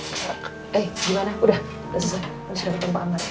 eh gimana udah selesai sudah ketemu pak amar